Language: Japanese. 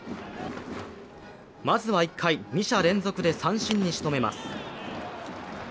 まずは１回、二者連続で三振に仕留めます。